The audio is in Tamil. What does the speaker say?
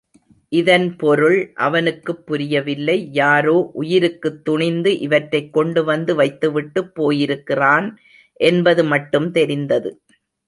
இதன் பொருள் அவனுக்குப் புரியவில்லை யாரோ, உயிருக்குத் துணிந்து, இவற்றைக் கொண்டுவந்து வைத்துவிட்டுப் போயிருக்கிறான் என்பது மட்டும் தெரிந்தது.